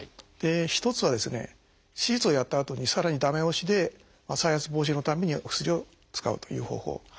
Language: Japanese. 一つはですね手術をやったあとにさらに駄目押しで再発防止のためにお薬を使うという方法。